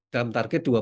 dalam target dua